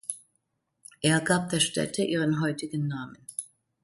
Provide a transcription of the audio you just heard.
Er gab der Stätte ihren heutigen Namen.